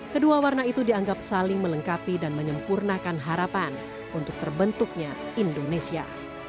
kedua warna itu dianggap saling melengkapi dan menyempurnakan harapan untuk terbentuknya indonesia